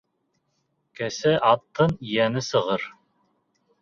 Кесе аттың йәне сығыр.